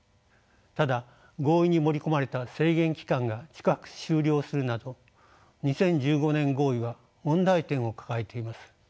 ただ合意に盛り込まれた制限期間が近く終了するなど２０１５年合意は問題点を抱えています。